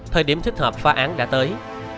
thời điểm thích hợp phá án đã tới